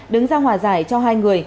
đứng ra hòa giải cho hai người